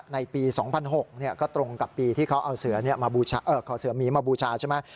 ในปี๒๐๐๖ก็ตรงกับปีที่เขาเอาเสือขอเสือหมีมาบูชาใช่ไหม